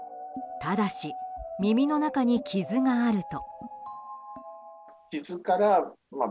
ただし、耳の中に傷があると。